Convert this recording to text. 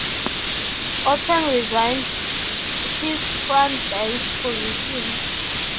Oaten resigned his frontbench position.